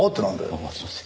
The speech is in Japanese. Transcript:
ああすいません。